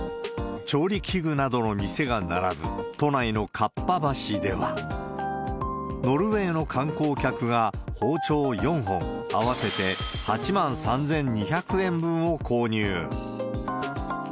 調理器具などの店が並ぶ、都内のかっぱ橋では、ノルウェーの観光客が包丁４本、合わせて８万３２００円分を購入。